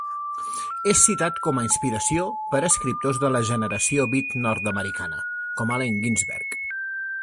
És citat com a inspiració per escriptors de la generació beat nord-americana com Allen Ginsberg.